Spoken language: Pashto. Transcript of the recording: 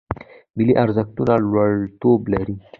ملي ارزښتونه لومړیتوب لري